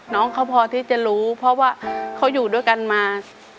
น้องเขาพอที่จะรู้เพราะว่าเขาอยู่ด้วยกันมา